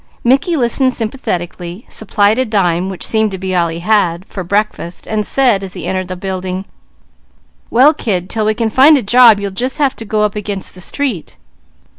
Mickey listened sympathetically, supplied a dime, which seemed to be all he had, for breakfast, and said as he entered the building: "Well kid, 'til we can find a job you'll just have to go up against the street.